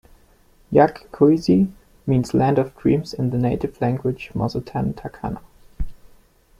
'Jacj Cuisi' means 'Land of Dreams' in the native language Mosetan Tacana.